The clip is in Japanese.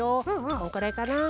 このくらいかな。